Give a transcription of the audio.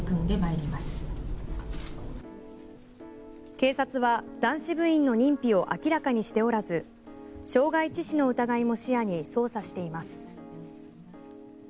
警察は男子部員の認否を明らかにしておらず傷害致死の疑いも視野に捜査しています。